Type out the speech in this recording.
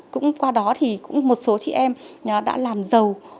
cũng qua đó thì cũng một số chị em đã làm giàu để phát triển kinh tế hộ gia đình